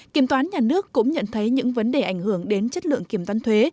kiểm toán nhà nước cũng nhận thấy những vấn đề ảnh hưởng đến chất lượng kiểm toán thuế